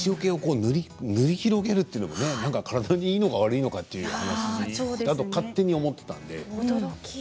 塗り広げるというのも体にいいのか悪いのか勝手に思っていたので。